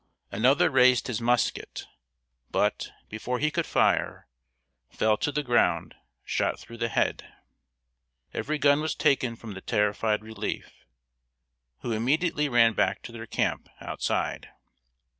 Another raised his musket, but, before he could fire, fell to the ground, shot through the head. Every gun was taken from the terrified relief, who immediately ran back to their camp, outside.